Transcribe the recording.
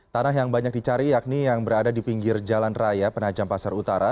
tanah yang banyak dicari yakni yang berada di pinggir jalan raya penajam pasar utara